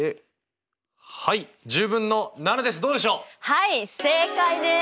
はい正解です！